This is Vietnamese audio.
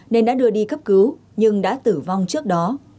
nên đã đưa đi cấp cứu nhưng đã tử vong trước đó